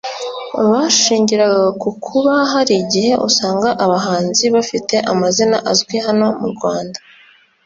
bashingiraga ku kuba hari igihe usanga abahanzi bafite amazina azwi hano mu Rwanda